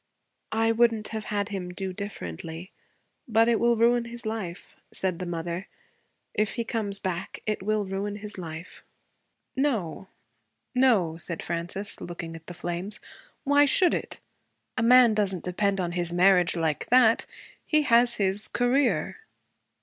'I wouldn't have had him do differently. But it will ruin his life,' said the mother. 'If he comes back, it will ruin his life.' 'No, no,' said Frances, looking at the flames. 'Why should it? A man does n't depend on his marriage like that. He has his career.'